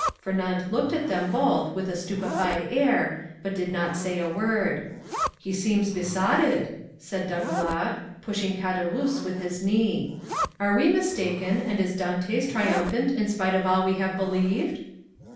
Fernand looked at them both with a stupefied air, but did not say a word. "He seems besotted," said Danglars, pushing Caderousse with his knee. "Are we mistaken, and is Dantès triumphant in spite of all we have believed?"